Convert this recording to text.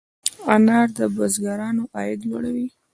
انار د بزګرانو عاید لوړوي.